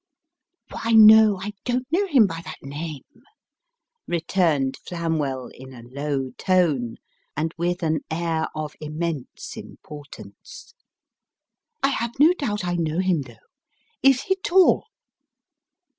" Why, no, I don't know him by that name," returned Flamwell, in a low tone, and with an air of immense importance. " I have no doubt I know him, though. Is he tall